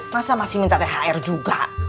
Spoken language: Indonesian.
masa masih minta thr juga